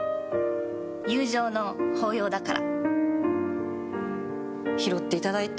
友情の抱擁だから。